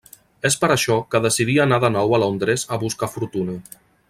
És per això, que decidí anar de nou a Londres a buscar fortuna.